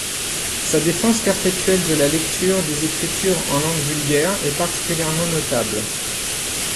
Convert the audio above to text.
Sa défense perpétuelle de la lecture des Écritures en langue vulgaire est particulièrement notable.